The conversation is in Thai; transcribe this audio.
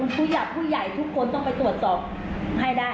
ผู้ใหญ่ผู้ใหญ่ทุกคนต้องไปตรวจสอบให้ได้